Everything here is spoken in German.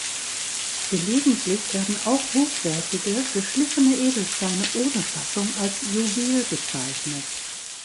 Gelegentlich werden auch hochwertige, geschliffene Edelsteine ohne Fassung als Juwel bezeichnet.